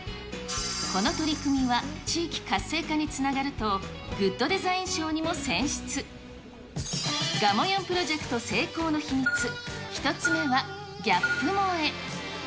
この取り組みは、地域活性化につながるとグッドデザイン賞にも選出。がもよんプロジェクト成功の秘密、１つ目は、ギャップ萌え。